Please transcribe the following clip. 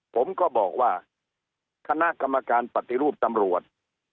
ผมก็บอกว่าคณะกรรมการปฏิรูปตำรวจ